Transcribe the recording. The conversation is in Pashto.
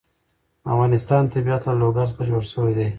د افغانستان طبیعت له لوگر څخه جوړ شوی دی.